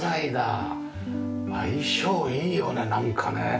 相性いいよねなんかね。